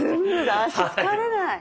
脚疲れない。